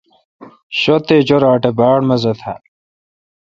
شہ تے جویراٹ اے° باڑ مزہ تھال۔